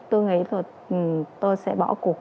tôi nghĩ tôi sẽ bỏ cuộc